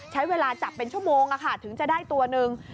ใช้เวลาจับเป็นชั่วโมงถึงจะได้ตัวหนึ่ง